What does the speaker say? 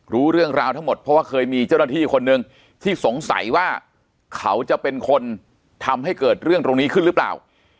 รู้เรื่องราวทั้งหมดเพราะว่าเคยมีเจ้าหน้าที่คนหนึ่งที่สงสัยว่าเขาจะเป็นคนทำให้เกิดเรื่องตรงนี้ขึ้นหรือเปล่า